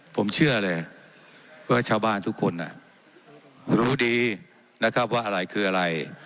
ผมเชื่อเลยว่าชาวบ้านทุกคนรู้ดีนะครับว่าอะไรคืออะไร